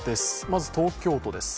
まず東京都です。